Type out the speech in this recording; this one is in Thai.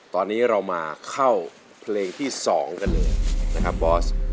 ตอนนี้เรามาเข้าเพลงที่๒กันเลยนะครับบอส